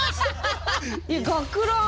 いや学ラン。